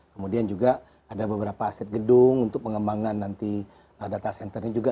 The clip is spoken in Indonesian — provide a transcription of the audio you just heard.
kemudian juga ada beberapa aset gedung untuk pengembangan nanti data centernya juga